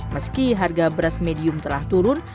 meski harga beras medium telah turun